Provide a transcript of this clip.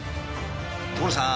所さん！